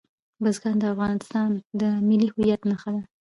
بزګان د افغانستان د ملي هویت نښه ده.